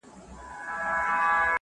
په همدې تنګو دروکي ,